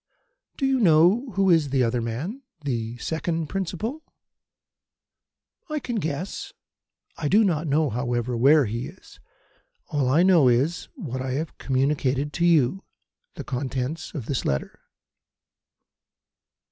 "Do you know who is the other man the second principal?" "I can guess. I do not know, however, where he is. All I know is what I have communicated to you the contents of this letter."